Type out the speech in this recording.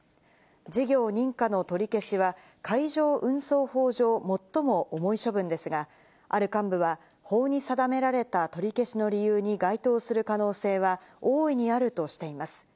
事業認可の取り消しは、海上運送法上、最も重い処分ですが、ある幹部は、法に定められた取り消しの理由に該当する可能性は大いにあるとしています。